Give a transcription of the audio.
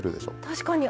確かに。